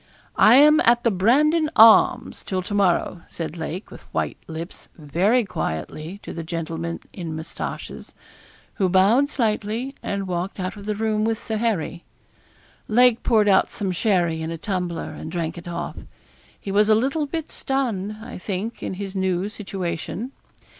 'I am at the "Brandon Arms" till to morrow,' said Lake, with white lips, very quietly, to the gentleman in moustaches, who bowed slightly, and walked out of the room with Sir Harry. Lake poured out some sherry in a tumbler, and drank it off. He was a little bit stunned, I think, in his new situation.